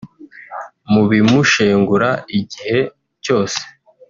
Mu bimushengura igihe cyose